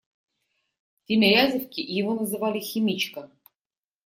В Тимирязевке его называли «Химичка».